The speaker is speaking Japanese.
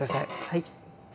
はい。